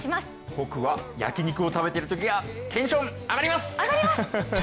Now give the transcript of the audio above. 僕は焼き肉を食べているときがテンション上がります！